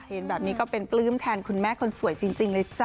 เห็นแบบนี้ก็เป็นปลื้มแทนคุณแม่คนสวยจริงเลยจ้ะ